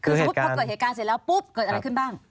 พอเกิดเหตุการณ์เสร็จแล้วปุ้บเกิดอะไรขึ้นบ้าง